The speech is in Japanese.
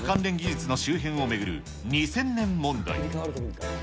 関連周辺機器を巡る、２０００年問題。